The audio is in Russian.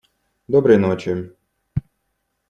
Доброй ночи.